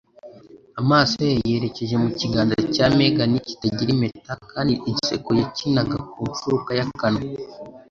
Amaso ye yerekeje mu kiganza cya Megan kitagira impeta kandi inseko yakinaga ku mfuruka y'akanwa.